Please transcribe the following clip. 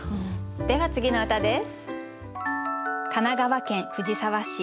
では次の歌です。